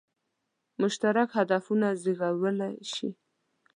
مشترک هدفونه زېږولای شي.